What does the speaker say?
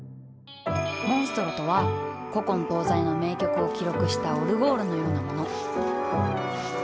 モンストロとは古今東西の名曲を記録したオルゴールのようなもの。